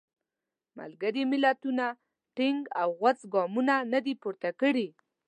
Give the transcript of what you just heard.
ملګري ملتونو ټینګ او غوڅ ګامونه نه دي پورته کړي.